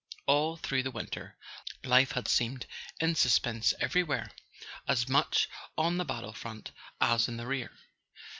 All through the winter, life had seemed in suspense everywhere, as much on the battle front as in the rear.